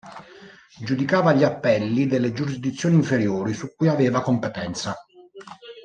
Giudicava gli appelli delle giurisdizioni inferiori su cui aveva competenza.